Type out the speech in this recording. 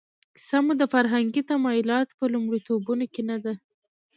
کیسه مو د فرهنګي تمایلاتو په لومړیتوبونو کې نه ده.